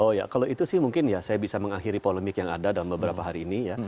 oh ya kalau itu sih mungkin ya saya bisa mengakhiri polemik yang ada dalam beberapa hari ini ya